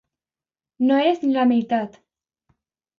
No és ni la meitat.